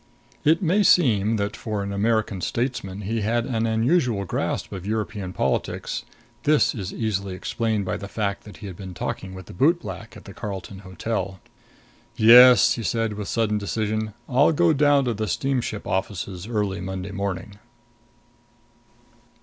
It may seem that, for an American statesman, he had an unusual grasp of European politics. This is easily explained by the fact that he had been talking with the bootblack at the Carlton Hotel. "Yes," he said with sudden decision, "I'll go down to the steamship offices early Monday morning."